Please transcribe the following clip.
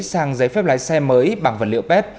sang giấy phép lái xe mới bằng vấn đề